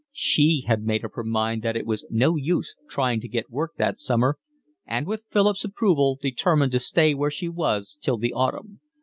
She had made up her mind that it was no use trying to get work that summer, and with Philip's approval determined to stay where she was till the autumn.